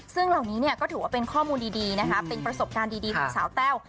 ซึ่งเหล่านี้เนี่ยก็ถือว่าเป็นข้อมูลดีนะคะเป็นประสบการณ์ดีของสาวแต้ว